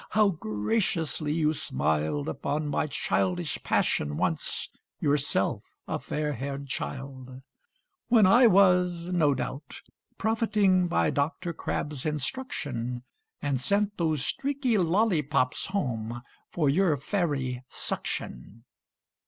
how graciously you smiled Upon my childish passion once, yourself a fair haired child: When I was (no doubt) profiting by Dr. Crabb's instruction, And sent those streaky lollipops home for your fairy suction.